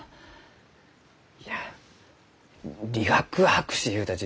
いや理学博士ゆうたち